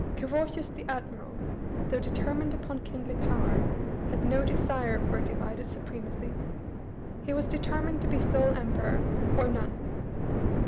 Carausius the admiral, though determined upon kingly power, had no desire for a divided supremacy. He was determined to be sole emperor, or none.